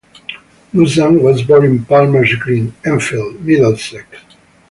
Buzan was born in Palmers Green, Enfield, Middlesex.